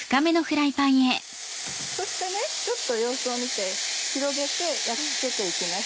そしてちょっと様子を見て広げて焼き付けて行きます。